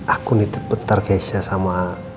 aku nitip bentar keisha sama